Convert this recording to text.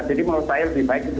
jadi menurut saya lebih baik itu